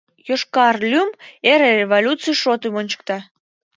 Йошкар лӱм эре революций шотым ончыкта.